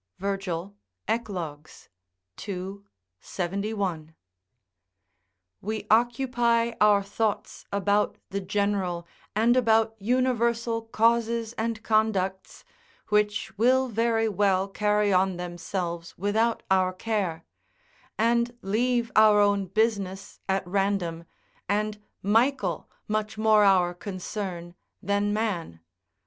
Virgil, Eclog., ii. 71.] We occupy our thoughts about the general, and about universal causes and conducts, which will very well carry on themselves without our care; and leave our own business at random, and Michael much more our concern than man.